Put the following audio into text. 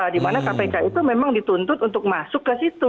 dimana kpk itu memang dituntut untuk masuk ke situ